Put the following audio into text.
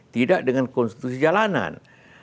tidak dengan konstitusi jalanan